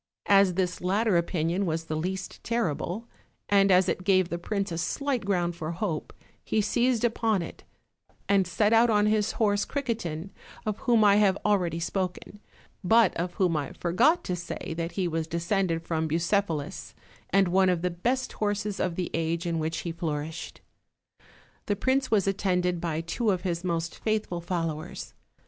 As this latter opinion was the least terrible, and as it gave the prince a slight ground for hope, he seized upon it; and set out on his horse Criquetin, of whom I have already spoken, but of whom I forgot to say that he was descended from Bucephalus, and one of the best horses of the age in which he flourished. The prince was at tended by two of his most faithful followers.